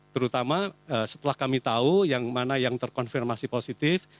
terutama setelah kami tahu yang mana yang terkonfirmasi positif